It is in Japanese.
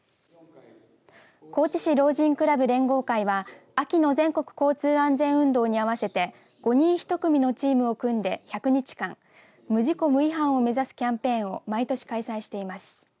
高知市老人クラブ連合会は秋の全国交通安全運動に合わせて５人１組のチームを組んで１００日間無事故・無違反を目指すキャンペーンを毎年開催しています。